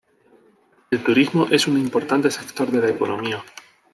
El turismo es un importante sector de la economía.